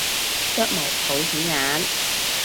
腳毛好顯眼